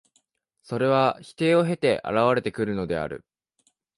それは否定を経て現れてくるのである。